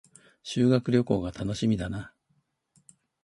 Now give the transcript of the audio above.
修学旅行が楽しみだな